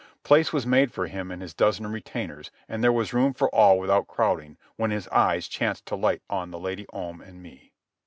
Place was made for him and his dozen retainers, and there was room for all without crowding, when his eyes chanced to light on the Lady Om and me.